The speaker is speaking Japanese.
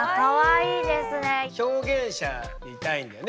表現者になりたいんだよね